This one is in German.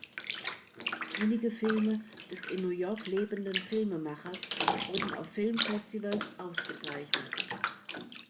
Einige Filme des in New York lebenden Filmemachers wurden auf Filmfestivals ausgezeichnet.